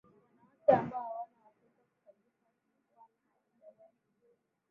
wanawake ambao hawana watoto kabisa wala hawajawahi